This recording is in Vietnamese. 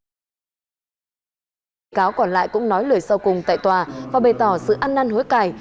bị cáo còn lại cũng nói lời sau cùng tại tòa và bày tỏ sự ăn năn hối cài